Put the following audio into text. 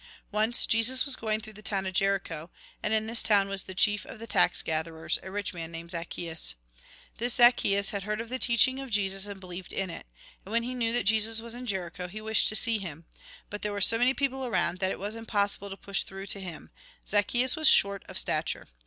Once, Jesus was going through the town of Jericho. And in this town was the chief of the tax gatherers, a rich man named Zacchteus. This Zacchffius had heard of the teaching of Jesus, and believed in it. And when he knew that Jesus was in Jericho, he wished to see him. But there were 80 many people around, that it was impossible to push through to him. Zacchjeus was short of stature.